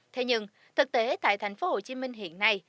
thế nhưng thực tế tại thành phố hồ chí minh hiện nay